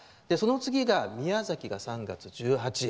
その次が、宮崎で３月１８